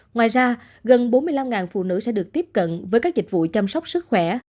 ngoài ra gần bốn mươi năm phụ nữ sẽ được tiếp cận với các dịch vụ chăm sóc sức khỏe